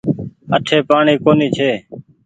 اٺي پآڻيٚ ڪونيٚ ڇي۔